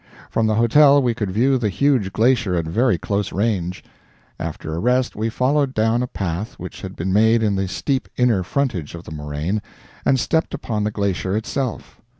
From the hotel we could view the huge glacier at very close range. After a rest we followed down a path which had been made in the steep inner frontage of the moraine, and stepped upon the glacier itself.